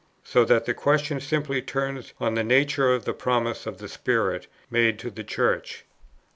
So that the question simply turns on the nature of the promise of the Spirit, made to the Church.